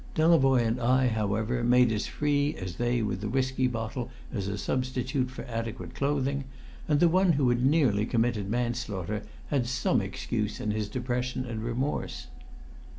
Delavoye and I, however, made as free as they with the whisky bottle as a substitute for adequate clothing, and the one who had nearly committed manslaughter had some excuse in his depression and remorse.